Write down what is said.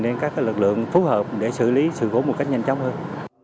đến các lực lượng phù hợp để xử lý sự cố một cách nhanh chóng hơn